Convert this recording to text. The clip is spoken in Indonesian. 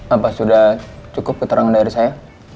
apa sudah cukup keterangan dari saya